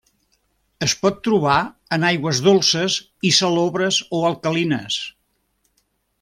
Es pot trobar en aigües dolces i salobres o alcalines.